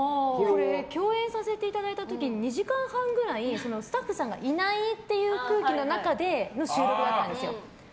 共演させていただいた時に２時間半ぐらいスタッフさんがいないという空気の中での収録だったんです。